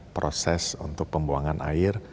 proses untuk pembuangan air